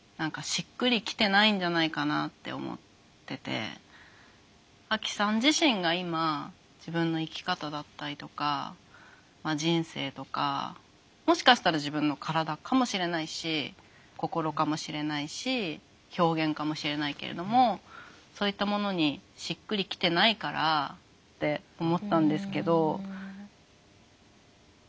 何かアキさん自身が今自分の生き方だったりとか人生とかもしかしたら自分の体かもしれないし心かもしれないし表現かもしれないけれどもそういったものにしっくりきてないからって思ったんですけど。